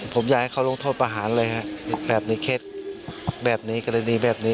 ผมอยากให้เขาลงโทษประหารเลยฮะแบบนี้เคล็ดแบบนี้กรณีแบบนี้